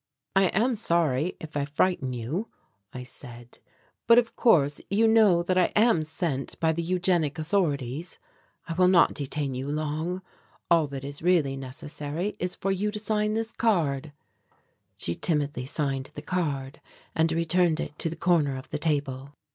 "I am sorry if I frighten you," I said, "but of course you know that I am sent by the eugenic authorities. I will not detain you long. All that is really necessary is for you to sign this card." She timidly signed the card and returned it to the corner of the table.